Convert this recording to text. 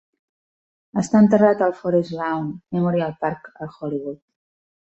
Està enterrat al Forest Lawn Memorial Park a Hollywood.